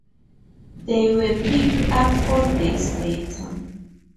They were picked up four days later.